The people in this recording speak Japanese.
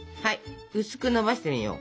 薄くのばしてみよう。